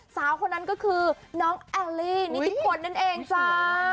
สาวคนนั้นก็คือน้องแอลลี่นิติพลนั่นเองจ้า